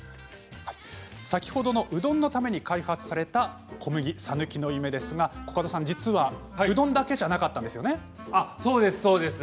先ほどのうどんのために開発された小麦さぬきの夢ですが実は、うどんだけじゃなかったんそうです、そうです。